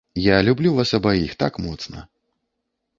Я люблю вас абаіх так моцна.